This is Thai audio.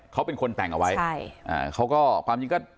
เขาเป็นคนแต่งเอาไว้ใช่อ่าเขาก็ความจริงก็